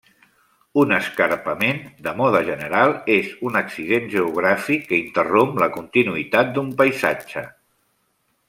Un escarpament, de mode general, és un accident geogràfic que interromp la continuïtat d'un paisatge.